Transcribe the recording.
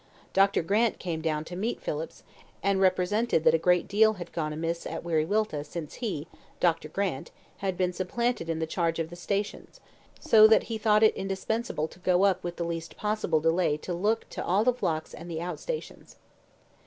Dr. Grant came down to meet Phillips, and represented that a great deal had gone amiss at Wiriwilta since he (Dr. Grant) had been supplanted in the charge of the stations; so that he thought it indispensable to go up with the least possible delay to look to all the flocks and the out stations.